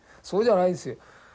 そうじゃないですよ。